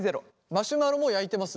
マシュマロも焼いてますね